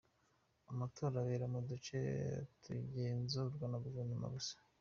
Amatora arabera mu duce tugenzurwa na guverinoma gusa.